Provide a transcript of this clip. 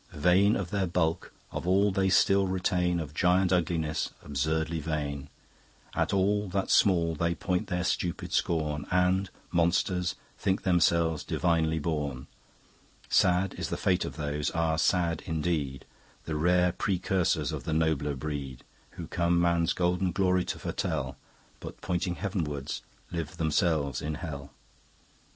Vain of their bulk, of all they still retain Of giant ugliness absurdly vain; At all that's small they point their stupid scorn And, monsters, think themselves divinely born. Sad is the Fate of those, ah, sad indeed, The rare precursors of the nobler breed! Who come man's golden glory to foretell, But pointing Heav'nwards live themselves in Hell.